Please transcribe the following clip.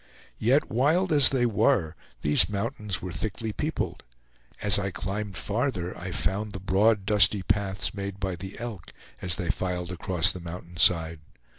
Yet wild as they were, these mountains were thickly peopled. As I climbed farther, I found the broad dusty paths made by the elk, as they filed across the mountainside.